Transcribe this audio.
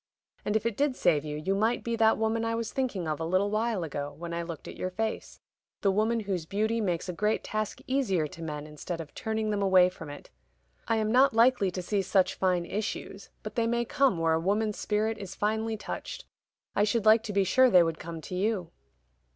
And if it did save you, you might be that woman I was thinking of a little while ago when I looked at your face: the woman whose beauty makes a great task easier to men instead of turning them away from it. I am not likely to see such fine issues; but they may come where a woman's spirit is finely touched. I should like to be sure they would come to you."